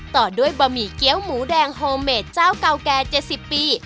ต่อด้วยบะหมี่เกี้ยวหมูแดงโฮเมดเจ้าเก่าแก่๗๐ปี